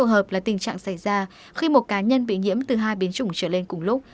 trường hợp là tình trạng xảy ra khi một cá nhân bị nhiễm từ hai biến chủng trở lên cùng lúc